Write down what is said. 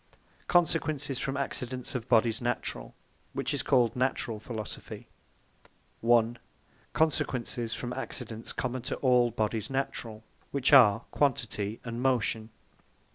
Consequences from Accidents of Bodies Naturall; which is called NATURALL PHILOSOPHY 1. Consequences from the Accidents common to all Bodies Naturall; which are Quantity, and Motion.